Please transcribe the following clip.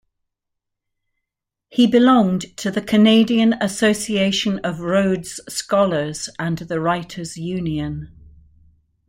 He belonged to the Canadian Association of Rhodes Scholars and the Writers' Union.